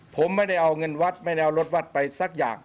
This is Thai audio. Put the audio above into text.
ผมไม่ได้เอาเงินวัดไม่ได้เอารถวัดไปสักอย่าง